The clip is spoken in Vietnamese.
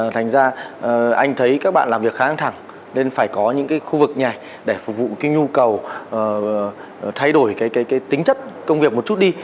thành ra anh thấy các bạn làm việc kháng thẳng nên phải có những cái khu vực nhảy để phục vụ cái nhu cầu thay đổi cái tính chất công việc một chút đi